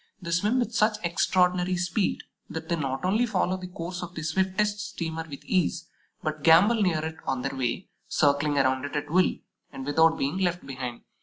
They swim with such extraordinary speed that they not only follow the course of the swiftest steamer with ease, but gambol near it on their way, circling around it at will, and without being left behind.